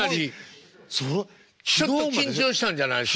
ちょっと緊張したんじゃないですか？